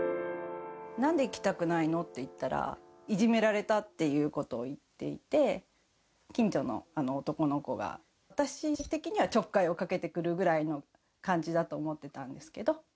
なんで行きたくないのって言ったら、いじめられたっていうことを言っていて、近所の男の子が、私的には、ちょっかいをかけてくるぐらいの感じだと思ってたんですけど。